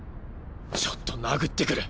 ちょっと殴ってくる。